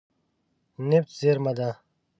نفت زیرمه ده.